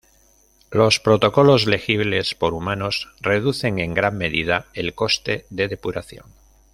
Los protocolos legibles por humanos reducen en gran medida el coste de depuración.